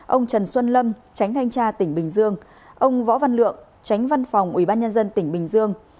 ông trần xuân lâm tránh thanh tra tỉnh bình dương ông võ văn lượng tránh văn phòng ubnd tỉnh bình dương